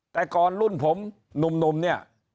แต่ก่อนรุ่นผมหนุ่มเนี่ย